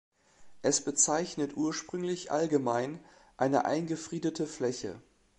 Es bezeichnet ursprünglich allgemein eine eingefriedete Fläche.